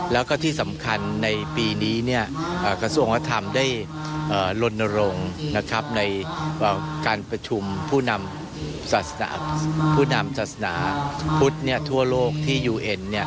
แล้วก็ที่สำคัญในปีนี้กระทรวงวัฒนธรรมได้ลนรงค์ในการประชุมผู้นำผู้นำศาสนาพุทธทั่วโลกที่ยูเอ็น